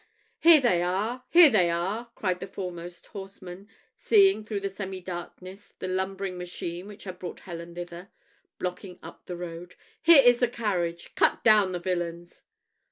"Here they are! here they are!" cried the foremost horseman, seeing through the semi darkness the lumbering machine which had brought Helen thither, blocking up the road. "Here is the carriage! cut down the villains!"